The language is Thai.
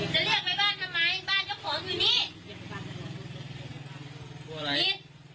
จะเรียกไปบ้านทำไมบ้านเจ้าของอยู่นี้